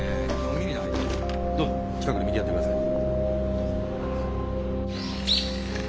どうぞ近くで見てやってください。